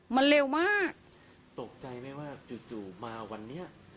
มันเร็วมากตกใจไหมว่าจู่มาวันนี้